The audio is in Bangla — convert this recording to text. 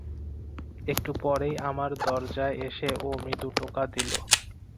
একটু পরেই আমার দরজায় এসে ও মৃদু টোকা দিল।